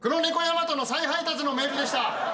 ヤマトの再配達のメールでした。